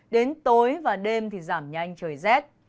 đến tối và đêm thì giảm nhanh trời rét